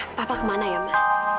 gak aktif handphonenya